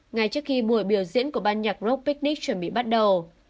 ngay trước khi mùa biểu diễn của ban nhạc rock picnic chuẩn bị bắt đầu